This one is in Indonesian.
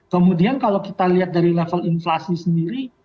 kemudian kalau kita lihat dari level inflasi sendiri